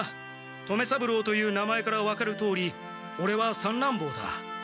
留三郎という名前から分かるとおりオレは三男ぼうだ。